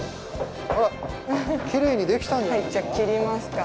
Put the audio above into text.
あっ、きれいにできたんじゃないですか！？